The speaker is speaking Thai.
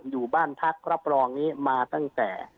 อยู่บ้านพักรับรองนี้มาตั้งแต่